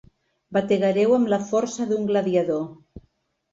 Bategareu amb la força d'un gladiador.